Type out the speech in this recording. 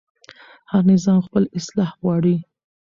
هر نظام خپل اصلاح غواړي